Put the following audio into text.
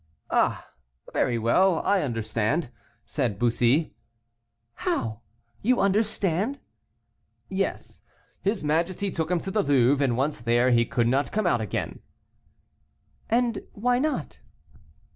"Ah! very well, I understand," said Bussy. "How! you understand." "Yes; his majesty took him to the Louvre and once there he could not come out again." "And why not?"